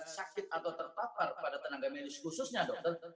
sakit atau terpapar pada tenaga medis khususnya dokter